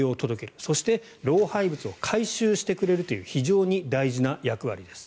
そして老廃物を回収してくれるという非常に大事な役割です。